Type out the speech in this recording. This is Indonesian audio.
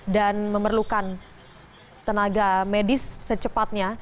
dan memerlukan tenaga medis secepatnya